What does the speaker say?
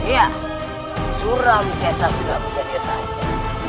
ya surawi sesa sudah menjadi raja